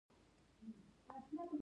د بادامو پوستکي د ډبرو سکرو سره سوځي؟